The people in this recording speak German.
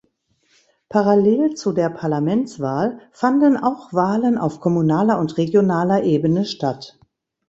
Parallel zu der Parlamentswahl fanden auch Wahlen auf kommunaler und regionaler Ebene statt.